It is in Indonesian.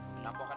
dan aku akan